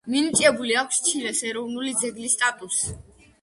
მინიჭებული აქვს ჩილეს ეროვნული ძეგლის სტატუსი.